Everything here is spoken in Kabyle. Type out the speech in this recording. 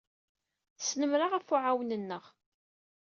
Tesnemmer-aɣ ɣef uɛawen-nneɣ.